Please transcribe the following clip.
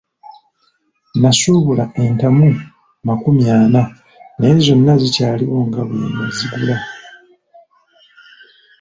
Nasuubula entamu makumi ana naye zonna zikyaliwo nga bwe nnazigula.